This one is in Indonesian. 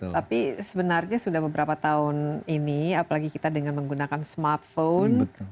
tapi sebenarnya sudah beberapa tahun ini apalagi kita dengan menggunakan smartphone